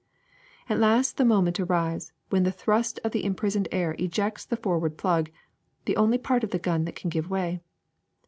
At last the moment arrives when the thrust of the imprisoned air ejects the for ward plug, the only part of the gun that can give way.